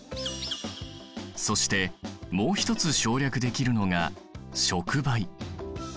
そしてもう一つ省略できるのが触媒。